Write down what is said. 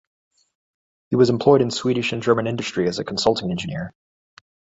He was employed in Swedish and German industry as a consulting engineer.